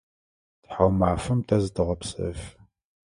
Тхьаумафэм тэ зытэгъэпсэфы.